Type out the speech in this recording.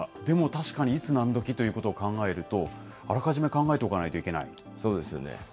でも、確かに、いつ何時ということを考えると、あらかじめ考えておかないといけそうですよね。